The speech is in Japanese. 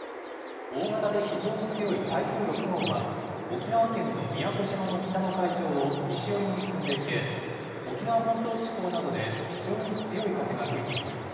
大型で非常に強い台風６号は、沖縄県の宮古島の北の海上を西寄りに進んでいて、沖縄本島地方などで非常に強い風が吹いています。